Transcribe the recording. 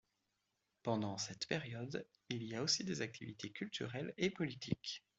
Pendant cette période il a aussi des activités culturelles et politiques.